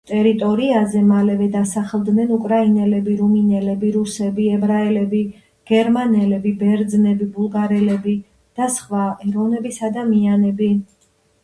ტერიტორიაზე მალევე დასახლდნენ უკრაინელები, რუმინელები, რუსები, ებრაელები, გერმანელები, ბერძნები, ბულგარელები და სხვა ეროვნების ადამიანები.